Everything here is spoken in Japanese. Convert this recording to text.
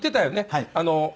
はい。